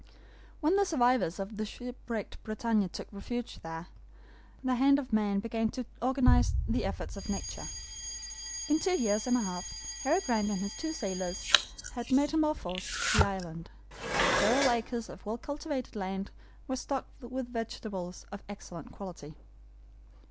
When the survivors of the shipwrecked BRITANNIA took refuge there, the hand of man began to organize the efforts of nature. In two years and a half, Harry Grant and his two sailors had metamorphosed the island. Several acres of well cultivated land were stocked with vegetables of excellent quality.